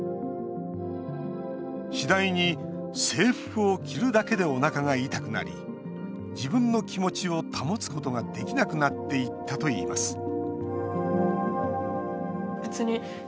次第に、制服を着るだけでおなかが痛くなり自分の気持ちを保つことができなくなっていったといいます